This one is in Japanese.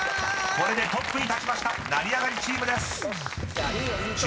［これでトップに立ちました成り上がりチームです］